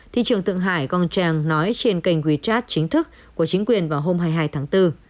thị trường tượng hải quang trang nói trên kênh wechat chính thức của chính quyền vào hôm hai mươi hai tháng bốn